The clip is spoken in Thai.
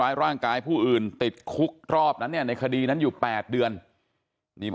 ร่างกายผู้อื่นติดคุกรอบนั้นเนี่ยในคดีนั้นอยู่๘เดือนนี่